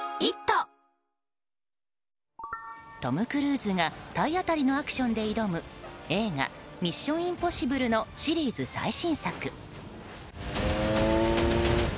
トム・クルーズが体当たりのアクションで挑む映画「ミッション：インポッシブル」のシリーズ最新作。